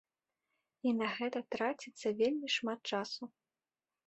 І на гэта траціцца вельмі шмат часу.